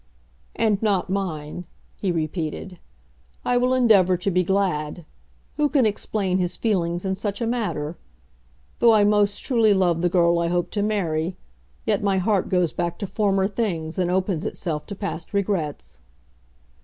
"And not mine," he repeated. "I will endeavour to be glad. Who can explain his feelings in such a matter? Though I most truly love the girl I hope to marry, yet my heart goes back to former things and opens itself to past regrets."